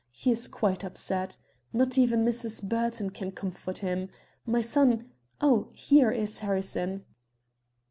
He is quite upset. Not even Mrs. Burton can comfort him. My son Oh, there is Harrison!"